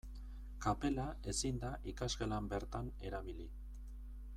Kapela ezin da ikasgelan bertan erabili.